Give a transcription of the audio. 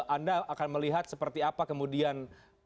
anda akan melihat seperti apa kemudian